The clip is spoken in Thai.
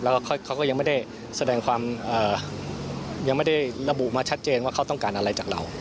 แล้วก็เขาก็ยังไม่ได้แสดงความยังไม่ได้ระบุมาชัดเจนว่าเขาต้องการอะไรจากเรา